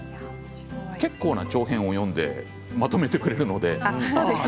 結構な長編を読んでまとめてくれるので。